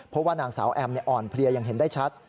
เพราะว่านางสาวแอมอ่อนเพลียอย่างเห็นได้ชัด